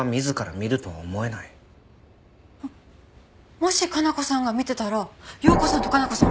もし加奈子さんが見てたら陽子さんと加奈子さん